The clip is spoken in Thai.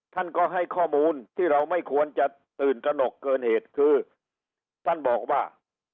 ท่านก็ให้ข้อมูลที่เราไม่ควรจะตื่นตระหนกเกินเหตุคือท่านบอกว่า